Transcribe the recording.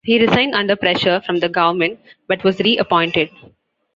He resigned under pressure from the government but was re-appointed.